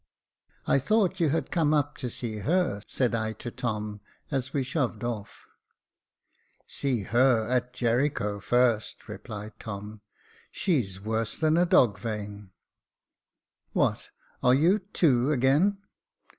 *' I thought you had come up to see her^'' said I to Tom, as we shoved off. '• See y?>^r at Jericho first," replied Tom ; "she's worse than a dog vane." " What, are you tiuo again